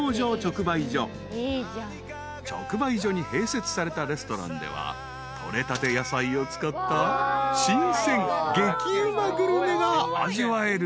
［直売所に併設されたレストランでは取れたて野菜を使った新鮮激うまグルメが味わえる］